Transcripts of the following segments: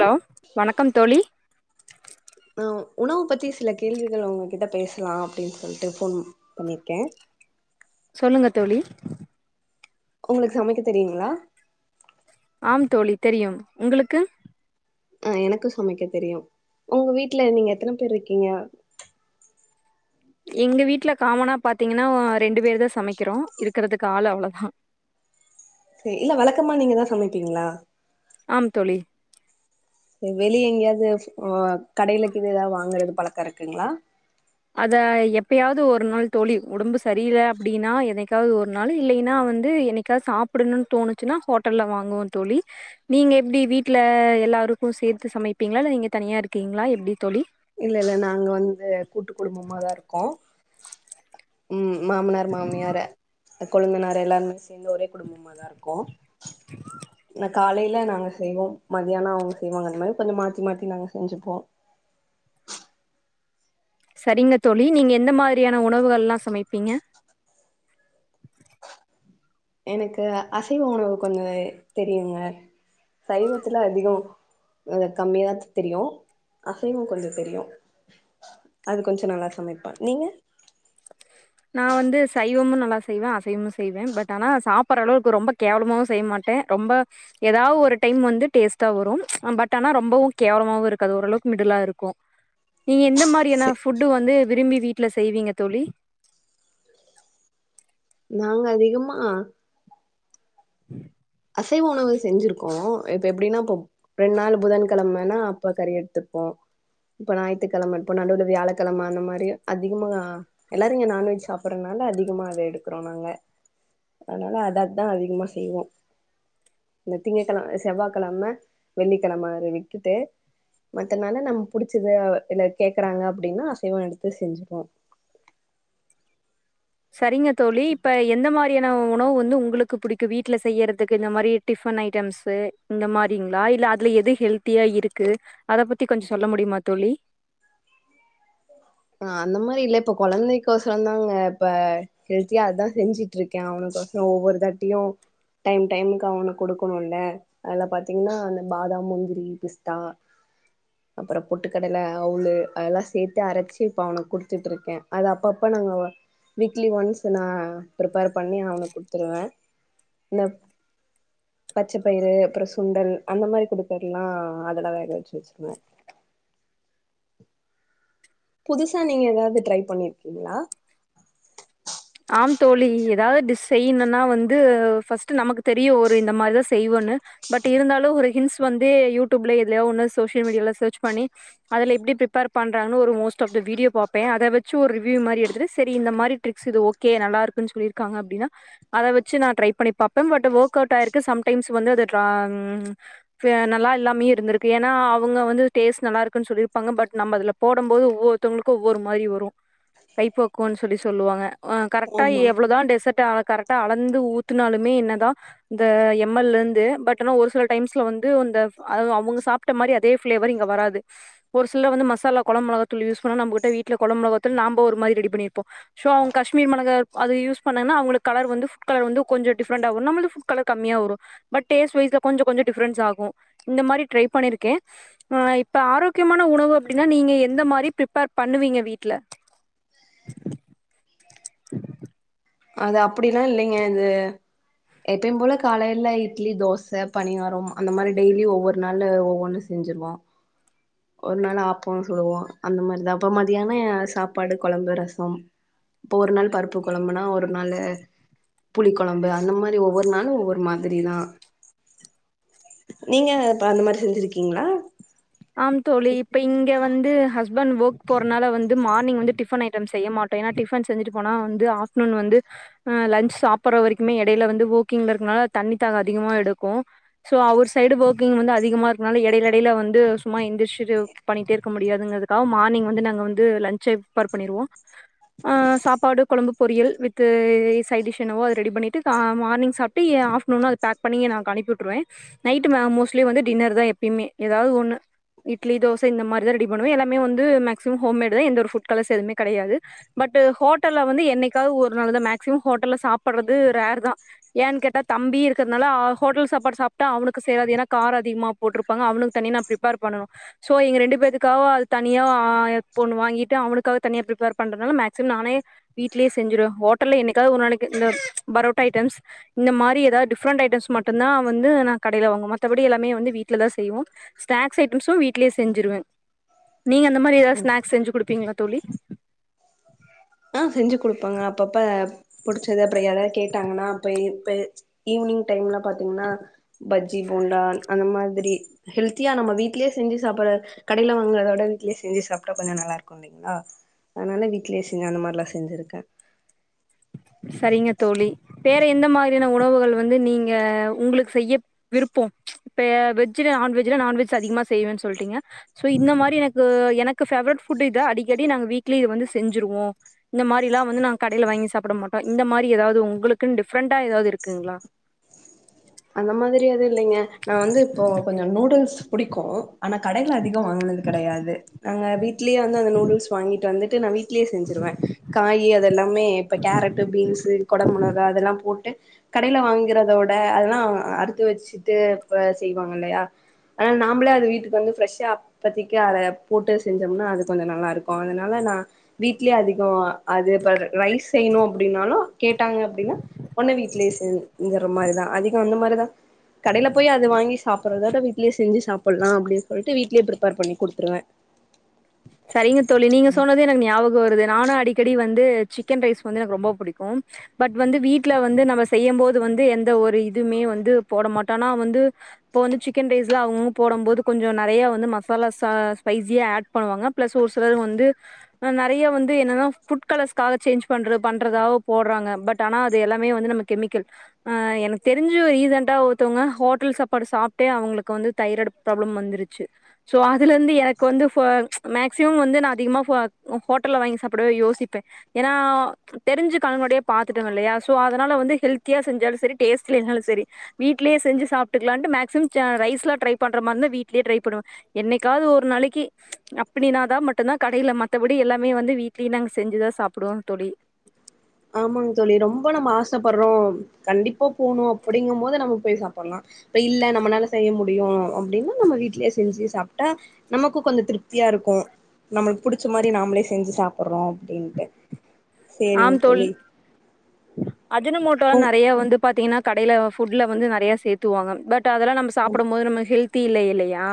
Hello வணக்கம் தோழி உணவு பத்தி சில கேள்விகள் உங்க கிட்ட பேசலாம் அப்டின்னு சொல்லிட்டு ஃபோன் பண்ர்க்கேன் சொல்லுங்க தோழி உங்களுக்கு சமைக்க தெரியுங்களா ஆம் தோழி தெரியு உங்களுக்கு ஆ எனக்கு சமைக்க தெரியு உங்க வீட்ல நீங்க எத்தன பேர் இருக்கீங்க எங்க வீட்ல காமனா பாத்தீங்கன்னா ரெண்டு பேரு தா சமைக்கிறோ இருக்குறதுக்கு ஆள் அவ்ளோதா செ இல்ல வழக்கமா நீங்க தா சமைப்பீங்களா ஆம் தோழி வெளிய எங்கயாது ஆ கடைல கிடைல வாங்குறது பழக்க இருக்குங்களா அதா எப்பயாவது ஒரு நாள் தோழி உடம்பு சரியில்ல அப்டின்னா என்னைக்காவ்து ஒரு நாளு இல்லைன்னா வந்து என்னைக் கா சாப்புடணுனு தோணுச்சுன்னா ஹோட்டல்ல வாங்குவோ தோழி நீங்க எப்டி வீட்ல எல்லாருக்கு சேத்து சமைப்பீங்களா இல்ல நீங்க தனியா இருக்கீங்களா எப்டி தோழி? இல்ல இல்ல நாங்க வந்து கூட்டு குடும்பமாதா இருக்கோ ம் மாமனார் மாமியாரு கொழுந்தனாரு எல்லாருமே சேர்ந்து ஒரே குடும்பமாதா இருக்கோ ந காலையில நாங்க செய்வோ மதியானோ அவங்க செய்வாங்க அந்த மாரி கொஞ்ச மாத்தி மாத்தி நாங்க செஞ்சுப்போ சரிங்க தோழி நீங்க எந்த மாரியான உணவுகள்லா சமைப்பீங்க எனக்கு அசைவ உணவு கொஞ்ச தெரியுங்க சைவத்துல அதிகொ அ கம்மியதா தெரியு அசைவம் கொஞ்ச தெரியு அது கொஞ்ச நல்லா சமைப்ப நீங்க நா வந்து சைவமு நல்லா செய்வே அசைவமு செய்வே பட் ஆனா சாப்புட்ற அளவுக்கு ரொம்ப கேவலமாவு செய்ய மாட்டே ரொம்ப ஏதா ஒரு டைம் வந்து டேஸ்ட்டா வரு பட் ஆனா ரொம்பவு கேவலமாவு இருக்காது ஓரளவுக்கு மிடுலா இருக்கு நீங்க எந்த மாரியானா செ ஃபுட்டு வந்து விரும்பி வீட்ல செய்வீங்க தோழி? நாங்க அதிகமா உ அசைவ உணவு செஞ்சிருக்கோ இப்ப எப்டின்னா இப்போ ரெண்டு நாள் புதன்கெழமன்னா அப்ப கறி எடுத்துப்போ இப்ப ஞாயி்த்துக்கெழம இப்போ நடுவுல வியாழக்கெழம அந்த மாரி அதிகமா எல்லாரு இங்க நான்வெஜ் சாப்புட்றனால அதிகமா அத எடுக்குறோ நாங்க அதனால அத தா அதிகமா செய்வோ இந்த திங்க கெழ செவ்வா கெழம வெள்ளிக்கெழமற விக்கிட்டு மத்த நாள்ல நம்ம புடிச்சது இல்ல கேக்குறாங்க அப்டின்னா அசைவொ எடுத்து செஞ்சுப்போ சரிங்க தோழி இப்ப எந்த மா ரியான உணவு வந்து உங்களுக்கு புடிக்கு வீட்டுல செய்யறதுக்கு இந்த மாரி டிஃபன் ஐட்டம்ஸ்ஸு இந்த மாரிங்க்ளா இல்ல அதுல எது ஹெல்த்தியா இருக்கு அத பத்தி கொஞ்ச சொல்ல முடியுமா தோழி ஆ அந்த மாரி இல்ல இப்ப கொழந்தைக்கோசர தாங்க இப்ப ஹெல்த்தியா அதா செஞ்சுட்ருக்கே அவனுக்கொசொ ஒவ்வொரு தாட்டியு டைம் டைமுக்கு அவனுக்கு கொடுக்கணுல அதுல பாத்தீங்கன்னா அந்த பாதாம் முந்திரி பிஸ்தா அப்புறோ பொட்டுக்கடல அவுளு அதெல்லா சேத்து அரச்சு இப்ப அவனுக்கு குடுத்துட்ருக்கே அது அப்பப்ப நாங்க ஒரு வீக்லி ஒன்ஸ் நா ப்ரிப்பேர் பண்ணி அவனுக் குட்த்துருவே இந்த பச்சப்பயிறு அப்புற சுண்டல் அந்த மாரி குடுக்கதுலா அதோட வேக வெச்சு வெச்சுருவே புதுசா நீங்க ஏதாவ்து ட்ரை பண்ணிருக்கீங்களா ஆம் தோழி ஏதாவ்து டிஷ் செய்யணுன்னா வந்து ஃபர்ஸ்ட் நமக்கு தெரியு ஒரு இந்த மாரிதா செய்வோன்னு பட் இருந்தாலு ஒரு ஹின்ஸ் வந்து யூடியூப்ல எதுலயா ஒன்னு சோசியல் மீடியால சர்ச் பண்ணி அதுல எப்டி பிரிபேர் பண்றாங்கனு ஒரு மோஸ்ட் ஆஃப் த வீடியோ பாப்பே அத வெச்சு ஒரு ரிவியூ மாரி எடுத்துட்டு சரி இந்த மாரி ட்ரிக்ஸ் இது ஓ கே நல்லா இருக்குன்னு சொல்லிருக்காங்க அப்டின்னா அத வச்சு நா ட்ரை பண்ணி பாப்ப பட் ஓர்க் அவுட் ஆயிருக்கு சம்டைம்ஸா வந்து அது ட்ரா சில நல்லா இல்லாமேயு இருந்திருக்கு ஏன்னா அவுங்க வந்து டேஸ்ட் நல்லா இருக்குன்னு சொல்லிருப்பாங்க பட் நம்ம அதுல போடும் போது ஒவ்வொருத்தவுங்களுக்கூ ஒவ்வொரு மாதிரி வரு கைப்பக்குவோன்னு சொல்லி சொல்லுவாங்க ஆ கரெக்டா ஆமா எவ்ளதான் டெசட்டால கரெக்டா அலந்து ஊத்துனாலுமே என்னதா இந்த எம் எல்லந்து பட் ஆனா ஒரு சில டைம்ஸ்ல வந்து அவுங்க சாப் ட்ட மாரி அதே ஃபிளவர் இங்க வராது ஒரு சில வந்து மசாலா கொழம்பு மெளகாத்தூள் யூஸ் பண்ணா நம்ப கிட்ட வீட்ல கொழம்பு மெலகாதூள் நாம்ப ஒருமாரி ரெடி பண்ணிருப்போ ஷோ அவ்ங் கஷ்மீர் மொளகா அது யூஸ் பண்ணாங்கன அவுங்களுக்கு கலர் வந்து ஃபுட்கலர் வந்து கொஞ்ச டிஃப்ரெண்டா வரும் நம்மளுக்கு ஃபுட் கலர் கம்மியா வரும் பட் டேஸ்ட் வைஸ்ல கொஞ்சொ கொஞ்சொ டி ஃப்ரன்ஸ் ஆகூ இந்த மாரி ட்ரை பண்ணிருக்கே அ இப்ப ஆரோக்கியமான உணவு அப்டின்னா நீங்க எந்த மாரி ப்ரிப்பேர் பண்ணுவீங்க வீட்டுல அது அப்டில்லா இல்லைங்க இது எப்பியும் போல காலையில இட்லி தோச பனியாரம் அந்த மாறி டெய்லியும் ஒவ்வொரு நாளு ஒவ்வொன்னு செஞ்சுருவோ ஒரு நாள் ஆப்பம் சூடுவோ அந்த மாரிதா அப்ப மதியான சாப்பாடு கொழம்பு ரசம் இப்ப ஒரு நாள் பருப்பு கொழம்புன்னா ஒரு ஒரு நாளு புளி கொழம்பு அந்த மாறி ஒவ்வொரு நாளு ஒவ்வொரு மாதிரிதா நீங்க இப்ப அந்த மாரி செஞ்சிருக்கீங்களா ஆம் தோழி இப்ப இங்கே வந்து ஹஸ் பண்ட் ஓர்க் போறனால வந்து மார்னிங் வந்து டிஃபன் ஐட்டம் செய்ய மாட்டோ ஏன்னா டிஃபன் செஞ்சுட்டு போனா வந்து ஆஃப்டர்நூன் வந்து அ லஞ்ச் சாப்புற வரைக்குமே எடையில வந்து ஓர்க்கிங்லக்கறனால தண்ணித்தாகம் அதிகமா எடுக்கூ சோ அவுரு சைடு ஓர்க்கிங் வந்து அதிகமா இருக்கனால எடையிலடையில வந்து சும்மா எந்திரச்சிடு பண்ணிட்டே இருக்க முடியாதுங்கிறதுக்காக மார்னிங் வந்து நாங்க வந்து லஞ்ச்சே பிரிப்பேர் பண்ணிருவோ ஆ சாப்பாடு கொழம்புக் பொரியல் வித் சைட் டிஷ் என்னவோ அது ரெடி பண்ணிட்டு கா மார்னிங் சாப்ட்டு எ ஆஃப்டர்நூன்கா பேக் பண்ணியே நாஅனுப்பி உட்டுருவேன் நைட் மோஸ்ட்லி வந்து டின்னர் தான் எப்பயுமே எதாவ்து ஒண்ணு இட்லி தோச இந்த மாறி தா ரெடி பண்ணுவே எல்லாமே வந்து மேக்சிமம் ஹோம்மேட் தா எந்த ஒரு ஃபுட் கலர்ஸ் எதுமே கெடையாது பட்டு ஹோட்டல்ல வந்து என்னைக்காவ்து ஒரு நாள்தா மேக்சிமம் ஹோட்டல்ல சாப்பட்றது ரேர் தா ஏன்னு கேட்டா தம்பி இருக்கிறதுனால ஹோட்டல் சாப்பாடு சாப்ட்டா அவனுக்கு சேராது ஏன்னா காரொ அதிகமா போட்ருப்பாங்க அவனுக்கு தனியா நா ப்ரிப் பேர் பண்ணனு சோ எங்க ரெண்டு பேத்துக்காக அது தனியா இப்ப ஒன்னு வாங்கிட்டு அவனுக்காக தனியா ப்ரிப்பேர் பண்றதுனால மேக்சிமம் நானே வீட்லயே செஞ்சிடுவே ஹோட்டல்ல என்னைக்காவ்து ஒரு நாளைக்கு இந்த பரோட்டா ஐட்டம்ஸ் இந்த மாறி எதாவ்து டிஃப்ரெண்ட் ஐட்டம்ஸ் மட்டும்ந்தா வந்து நா கடையில வாங்குவே மத்தபடி எல்லாமே வந்து வீட்லதான் செய்வோ ஸ்நாக்ஸ் ஐட்டம்ஸ்சும் வீட்லயே செஞ்சிருவேன் நீங்க அந்த மாறி ஏதாவது ஸ்நாக்ஸ் செஞ்சு குடுப்பீங்ளா தோழி ஆ செஞ்சு குடுப்பங்க அப்பப்ப புடிச்சது அப்டி யாராவ்து கேட்டாங்கன்னா அப்ப இப்ப ஈவினிங் டைம்ல பாத்தீங்ன்னா பஜ்ஜி போண்டா அந்த மாதிரி ஹெல்த்தியா நம்ம வீட்லயே செஞ்சு சாப்புட்ற கடையில வாங்கறத விட வீட்லயே செஞ்சு சாப்ட்டா கொஞ்ச நல்லா இருக்கூ ல்லிங்ளா அதனால வீட்லயே செஞ் அந்த மாற்ல்லா செஞ்சிருக்கே சரிங்க தோழி வேற எந்த மாதிரியான உணவுகள் வந்து நீங்க உங்குளுக் செய்ய விருப்பொ இப்ப வெஜ்ல நான்வெஜ்ல நான்வெஜ் அதிகமா செய்யவேன் சொல்ட்டீங்க சோ இந்த மாறி எனக்கு எனக்கு ஃபேவரட் ஃபுட் இத்தா அடிக்கடி நாங்க வீக்லி இத வந்து செஞ்சுருவோ இந்த மாறில்லா வந்து நா கடையில வாங்கி சாப்பிட மாட்டோ இந்த மாறி ஏதாவ்து உங்களுக்குன்னு டிஃப்ரெண்டா ஏதாவது இருக்குங்ளா அந்த மாதிரி எதும் இல்லைங்க நா வந்து இப்போ கொஞ்ச நூடுல்ஸ் புடிக்கூ ஆனா கடையில அதிகம் வாங்குனது கெடையாது நாங்க வீட்லயே வந்து அந்த நூடுல்ஸ் வாங்கிட்டு வந்துட்டு நா வீட்லயே செஞ்சுருவே காயி அதெல்லாமே இப்ப கேரட்டு பீன்ஸ் கொட மொளகா அதெல்லா போட்டு கடேல வாங்குறத விட அதெல்லா அறுத்து வச்சுட்டு அப்ப செய்வாங்க இல்லயா அ நாம்பலா அது வீட்டுக்கு வந்து ஃப்ரெஷ்ஷா இப்பத்திக்கி அத போட்டு செஞ்சோம்னா அது கொஞ்சோ நல்லாருக்கு அதுனால நா வீட்லயே அதிகோ அது இப்ப ரைஸ் செய்யணு அப்டின்னாலு கேட்டாங்க அப்டினா ஒன்னு வீட்லயே செஞ்கற மாரிதா அதிகோ அந்த மாரிதா கடேல போயி அது வாங்கி சாப்பற்றத விட வீட்லயே செஞ்சு சாப்பல்லா அப்படின் சொல்ட்டு வீட்லயே பிரிப்பேர் பண்ணி குடுத்துருவே சரிங்க தோழி நீங்க சொன்னது எனக்கு ஞாபகோ வருது நானு அடிக்கடி வந்து சிக்கன் ரைஸ் வந்து எனக்கு ரொம்ப புடிக்கு பட் வந்து வீட்ல வந்து நம்ம செய்யம் போது வந்து எந்த ஒரு இதுமே வந்து போட மாட்டோ ஆனா வந்து இப்போ வந்து சிக்கன் ரைஸ்ல அவுங்கவுங்க போடம் போது கொஞ்சோ நெறையா வந்து மசாலா சா ஸ்பைஸியா ஆட் பண்ணுவாங்க பிளஸ் ஒரு சிலர் வந்து ஆனா நெறைய வந்து என்னன்னா ஃபுட் கலர்ஸ்காக சேஞ்ச் பண்றது பண்றதாக போட்றாங்க பட் ஆனா அது எல்லாமே வந்து நம்ம கெமிக்கல் அ எனக்கு தெருஞ்சு ரீசன்டா ஒருத்தவுங்க ஹோட்டல் சாப்பாடு சாப்ட்டே அவுங்களுக்கு வந்து தைராய்ட் ப்ராப்ளம் வந்துருச்சு சோ அதுல இருந்து எனக்கு வந்து ஃப மேக்சிமம் வந்து நா அதிகமா ஃப ஹோ ஹோட்டல்ல வாங்கி சாப்டவே யோசிப்பே ஏனா தெருஞ்சு கண்ணு முன்னாடியே பாத்துட்டோ இல்லயா சோ அதுனால வந்து ஹெல்த்தியா செஞ்சாலு செரி டேஸ்ட் இல்லேனாலு செரி வீட்லயே செஞ்சு சாப்ட்டுக்கலான்ட்டு மேக்சிமம் ச ரைஸ்லா ட்ரை பண்ற மாரி இருந்தா வீட்லயே ட்ரை பண்ணுவே என்னைக்காவது ஒரு நாளக்கி இப்டின்னா தா மட்டுதா கடேல மத்தபடி எல்லாமே வந்து வீட்டிலியே நாங்க செஞ்சு தா சாப்புடுவோம் தோழி ஆமாங் தோழி ரொம்ப நம்ம ஆசைப்பற்றோ கண்டிப்பா போணு அப்படிங்கும் போது நம்ம போய் சாப்பல்லா இப்ப இல்ல நம்மனால செய்ய முடியு அப்டினா நம்ம வீட்லயே செஞ்சு சாப்ட்டா நமக்கு கொஞ்சோ திருப்தியா இருக்கு நம்மளுக்கு புடிச்ச மாரி நாமளே செஞ்சு சாப்புற்றோ அப்டின்ட்டு ஆம் தோல் அஜுனமோட்டா உங் நெறைய வந்து பாத்தீங்கனா கடேல ஃபுட்ல வந்து நெறய சேத்துவாங்க பட் அதல்லா நம்ம ம் சாப்படம் போது நமக்கு ஹெல்தி இல்ல இல்லயா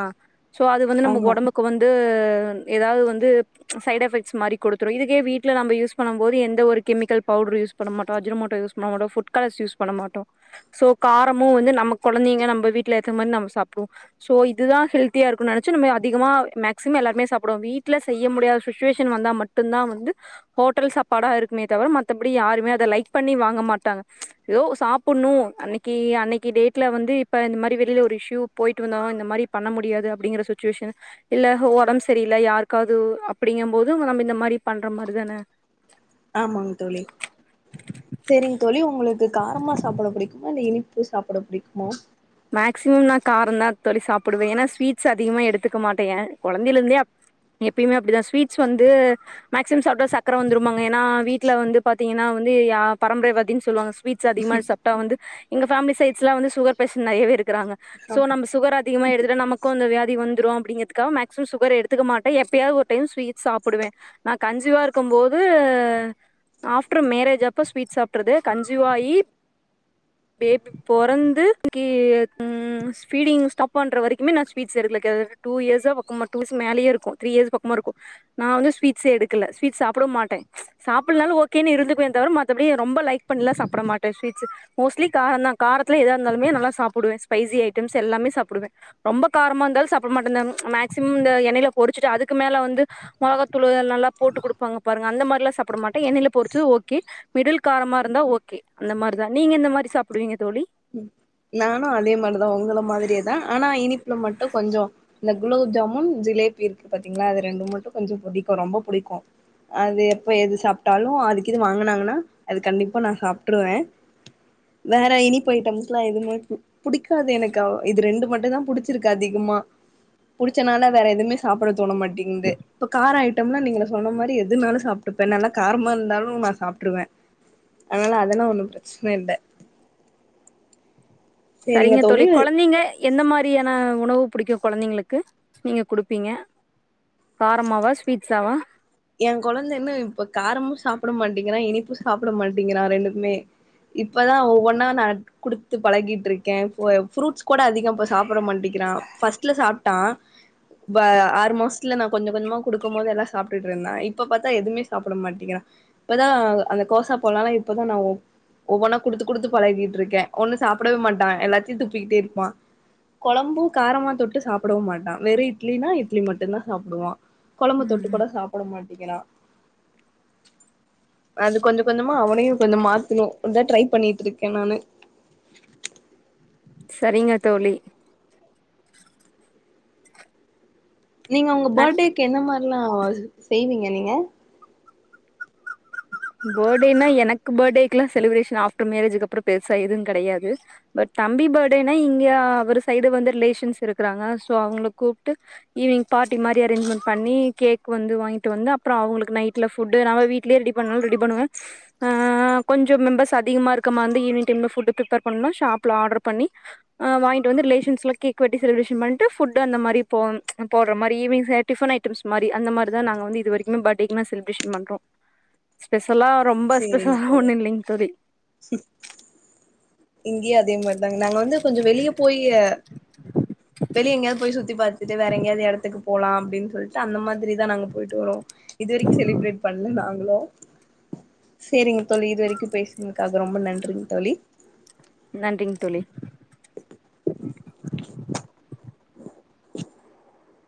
சோ அது வந்து நமக்கு ஆமா ஒடம்புக் கு வந்து ஏதாவது வந்து சைட் எஃபெக்ட்ஸ் மாரி குடுத்துறு இதுக்கே வீட்ல நம்ப யூஸ் பண்ணாம போது எந்த ஒரு கெமிக்கல் பவுட்ரு யூஸ் பண்ணமாட்டோ அஜுனமோட்டோ யூஸ் பண்ணமாட்டோ ஃபுட் கலர்ஸ் யூஸ் பண்ணமாட்டோ சோ காரமு வந்து நம்ம கொழந்தைங்க நம்ப வீட்ல ஏத்த மாரி நம்ம சாப்டுவோ சோ இதுதா ஹெல்தியா இருக்குனு நெனச்சு நம்ம அதிகமா மேக்சிமோ எல்லாருமே சாப்டுவோ வீட்ல செய்ய முடியாத சுச்சுவேஷன் வந்தா மட் ட்டுதா வந்து ஹோட்டல் சாப்பாடா இருக்குமே தவிர மத்தபடி யாருமே அத லைக் பண்ணி வாங்க மாட்டாங்க ஏதோ சாப்புன்ணு அன்னக்கி அன்னக்கி டேட்ல வந்து இப்ப இந்த மாரி வெளில ஒரு இஷ்யூ போயிட்டு வந்தாங்க இந்த மாரி பண்ண முடியாது அப்பிடிங்கிற சுச்சுவேஷன் இல்ல ஒடம்பு சரியில்ல யாருக்காவது அப்படிங்கு போது நம்ப இந்த மாரி பண்ற மாரிதான ஆமாங் தோழி சேரிங் தோழி ஒங்களுக்கு காரமா சாப்ட புடிக்குமா இல்ல இனிப் ப்பு சாப்புட புடிக்குமா மேக்சிமம் நா காரந்தா தோழி சாப்புடுவே ஏனா ஸ்வீட்ஸ் அதிகமா எடுத்துக்க மாட்டே ஏ கொழந்தேல இருந்தே எப்பயுமே அப்டிதா ஸ்வீட்ஸ் வந்து மேக்சிமம் சாப்டா சக்கர வந்துரும்பாங்க ஏனா வீட்ல வந்து பாத்தீங்கனா வந்து யா பரம்ரைவாதின் சொல்வாங்க ஸ்வீட்ஸ் அதிகமா சாப்ட்டா வந்து எங்க ஃபேமிலி சைட்ஸ்லா வந்து சுகர் பேஷன் நெறையவே இருக்குறாங்க சோ நம்ம சுகர் அதிகமா எடுதுடா நமக் க்கு அந்த வியாதி வந்துரு அப்படிங்கிறதுக்காக மேக்சிமம் சுகர் எடுத்துக்க மாட்டே எப்பயாவது ஒரு டைம் ஸ்வீட் சாப்டுவே நா கன்சிவா இருக்கம்போது ஆஃப்ரு மேரேஜ் அப்ப ஸ்வீட் சாப்ட்றது கன்சீவாயி பேபி பொறந்து க்கி ம் ஃபீடிங் ஸ்டாப் பண்ற வரைக்குமே நா ஸ்வீட்ஸ் எடுக்கல கே டூ இயர்ஸ்ஸா பக்கமா டூஸ் மேலயே இர்க்கு த்ரீ இயர்ஸ் பக்கமா இருக்கு நா வந்து ஸ்வீ்ட்ஸ் எடுக்கல ஸ்வீட்ஸ் சாப்டவு மாட்ட சாப்புல்னாலு ஓகேனு இருந்துக்வே தவிர மத்தபடி ரொம்ப லைக் பண்லா சாப்ட மாட்ட ஸ்வீட்ஸ் மோஸ்லி காரந்தா காரத்துல எதா இருந்தாலுமே நல்லா சாப்டுவே ஸ்பைசி ஐட்டம்ஸ் எல்லாமே சாப்டுவே ரொம்ப காரமா இந்தாலு சாப்ட மாட்ட இந்த மேக்சிம் இந்த எண்ணைல பொரிச்சுட்டு அதுக்கு மேல வந்து மொளகாத்தூளு நல்லா போட்டு குடுப்பாங்க பாருங்க அந்த மாரிலா சாப்ட மாட்ட எண்ணைல பொறுச்சு ஓகே மிடில் காரமா இருந்தா ஓகே அந்த மாரிதா நீங்க எந்த மாரி சாப்டுவீங்க தோழி ம் நானு அதே மார்தா உங்கள மாதிரியேதா ஆனா இனிப்புல மட்டு கொஞ்சோ இந்த குலோப் ஜாமுன் ஜிலேபி இருக்கு பாத்தீங்ளா அது ரெண்டு மட்டு கொஞ்சோ புடிக்கு ரொம்ப புடிக்கு அது எப்ப எது சாப்ட்டாலு அதுக்கிதுன் வாங்னாங்கனா அது கண்டிப்பா நா சாப்ட்ருவே வேற இனிப் பு ஐட்டம்ஸ்லா எதுமே பு புடிக்காது எனக்கு அவ் இது ரெண்டு மட்டுந்தா புடிச்சிருக்கு அதிகமா புடிச்சனால வேற எதுவுமே சாப்பட தோண மாட்டேங்குது இப்ப கார ஐட்டம்லா நீங்க என்ன சொன்ன மாரி எதுனாலு சாப்ட்டுப்ப நல்ல காரமா இருந்தாலு நா சாப்டுருவ அதனாலா அதெல்லா ஒன்னு பிரச்சன இல்ல சரிங்க தோழி கொழந்தைங்க எந்த மாரியான உணவு புடிக்கு கொழந்தங்களுக்கு நீங்க குடுப்பீங்க காரமாவா ஸ்வீட்ஸ்ஸாவா ஏ கொழந்த இன்னு இப்ப காரமு சாப்ட மாட்டிங்கிறா இனிப்பு சாப்ட மாட்டேங்கிறா ரெண்டுக்மே இப்பதா ஒவ்வொன்னா நாட் குடுத்து பழகிட்டுருக்கே ஃபு ஃப்ரூட்ஸ் கூட அதிக இப்ப சாப்ட மாட்டேக்கிறா ஃபர்ஸ்ட்ல சாப்ட்டா ப ஆறு மாசத்ல நா கொஞ்ச கொஞ்சமா குடுக்கும்போது எல்லா சாப் டுட்டுருந்தா இப்ப பாத்தா எதுவுமே சாப்ட மாட்டங்கறா இப்பதா அந்த கோசா பழோலா இப்பதா நா ஒ ஒவ்வொன்னா குடுத்து குடுத்து பழகிட்டுருக்கே ஒன்னு சாப்புடவே மாட்டா எல்லாத்தையு துப்பிக்கிட்டே இருப்பா கொழம்பு காரமா தொட்டு சாப்புடவு மாட்டா வெறு இட்லினா இட்லி மட்டுந்தா சாப்புடுவா கொழம்பு தொட்டு ம் கூட சாப்புட மாட்டக்கிறா அது கொஞ்ச கொஞ்சமா அவனையு கொஞ்ச மாத்தணு அதா ட்ரை பண்ணிட்டுருக்கே நானு சரிங்க தோழி நீங்க உங்க நன் பர்டேக்கு என்ன மாரிலா செய்வீங்க நீங்க பேர்டேன்னா எனக்கு பேர்டேக்குலா செலிப்ரேஷன் ஆஃப்டர் மேரேஜுக்கப்பறோ பெருசா எதுவு கெடையாது பட் தம்பி பேர்டேனா இங்கே அவர் சைடு வந்து ரிலேஷன்ஸ் இருக்கறாங்க சோ அவங்கள கூப்ட்டு ஈவினிங் பார்ட்டி மாரி அரேஞ்மெண்ட் பண்ணி கேக் வந்து வாங்கிட்டு வந்து அப்றொ அவங்களுக்கு நைட்ல ஃபுட்டு நாங்க வீட்லே ரெடி பண்ணாலு ரெடி பண்ணுவே ஆ கொஞ்சொ மெம்பர்ஸ் அதிகமா இருக்க மார்ருந்தா ஈவினிங் டைம்ல ஃபுட்டு் பிரிஃப்பர் பண்ணும்னா ஷாஃப்ல ஆட்ரு பண்ணி ஆ வாங்கிட்டு வந்து ரிலேஷன்ஸ்ல கேக் வெட்டி செலிபிரேஷன் பண்ட்டு ஃபுட்டு அந்த மாரி போ போடுற மாரி ஈவினிங் ச டிஃபன் ஐட்டம்ஸ் மாரி அந்த மாரிதா நாங்க வந்து இதுவரைக்குமே பேர்டேக்குனா செலிபிரேஷன் பண்றோ ஸ்பெஷலா ரொம்ப சேரிங்க ஸ்பெஷலா தோழி ஒன்னு இல்லைங் தோழி இங்கேயு அதே மாரிதாங்க நாங்க வந்து கொஞ்சொ வெளிய போயி வெளிய எங்கயாது போயி சுத்தி பாத்துட்டு வேற எங்கயாவ்து எடத்துக்கு போலா அப்டின்னு சொல்ட்டு அந்த மாதிரிதா நாங்க போயிட்டு வருவோ இதுவரைக்கு செலிப்ரேட் பண்ல நாங்களு செரிங்க தோழி இதுவரைக்கு பேசுனதுக்காக ரொம்ப நன்றிங்க தோழி நன்றிங் தோழி